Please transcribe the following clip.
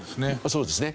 そうですね。